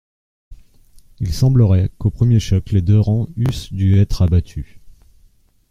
Il semblerait qu'au premier choc les deux rangs eussent dû être abattus.